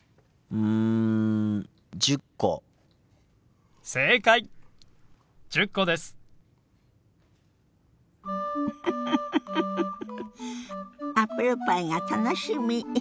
ウフフアップルパイが楽しみ！